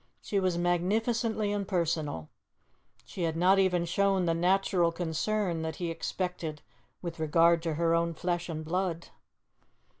She was magnificently impersonal. She had not even shown the natural concern that he expected with regard to her own flesh and blood.